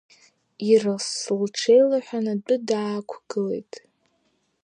Ирлас лҽеилалҳәан, адәы даақәгылеит.